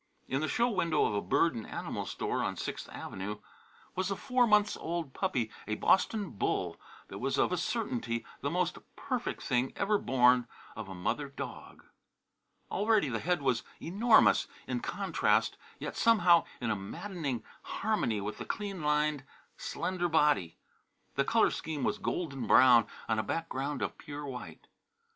In the show window of a bird and animal store on Sixth Avenue was a four months old puppy, a "Boston bull," that was, of a certainty, the most perfect thing ever born of a mother dog. Already the head was enormous, in contrast, yet somehow in a maddening harmony with the clean lined slender body. The colour scheme was golden brown on a background of pure white.